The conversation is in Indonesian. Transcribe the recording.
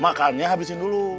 makannya habisin dulu